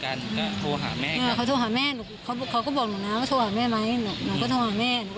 หนูก็ต้องหาแม่หนูก็ต้องหาแม่แต่ตั้งคนต่างคนต่างหาก